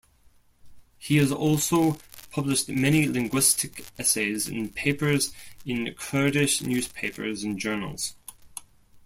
He has also published many linguistic essays and papers in Kurdish newspapers and journals.